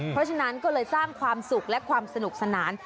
เพราะฉะนั้นก็เลยสร้างความสุขและความสนุกสนาน